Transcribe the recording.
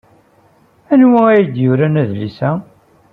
Anwa ay d-yuran adlis-a?